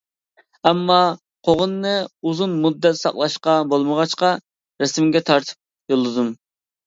ئەمما قوغۇننى ئۇزۇن مۇددەت ساقلاشقا بولمىغاچقا رەسىمگە تارتىپ يوللىدىم.